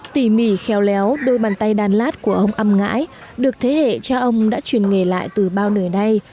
tỉ mỉ khéo léo đôi bàn tay đàn lát của ông âm ngãi được thế hệ cha ông đã truyền nghề lại từ bao nửa đây